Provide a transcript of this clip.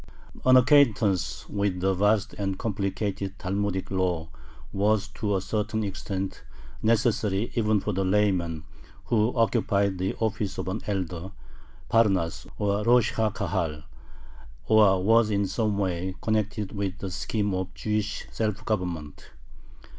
An acquaintance with the vast and complicated Talmudic law was to a certain extent necessary even for the layman who occupied the office of an elder (parnas, or rosh ha Kahal), or was in some way connected with the scheme of Jewish self government.